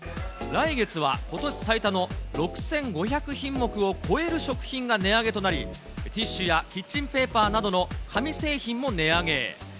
来月は、ことし最多の６５００品目を超える食品が値上げとなり、ティッシュやキッチンペーパーなどの紙製品も値上げ。